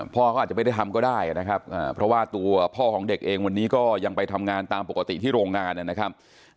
พ่อเขาอาจจะไม่ได้ทำก็ได้นะครับเพราะว่าตัวพ่อของเด็กเองวันนี้ก็ยังไปทำงานตามปกติที่โรงงานนะครับ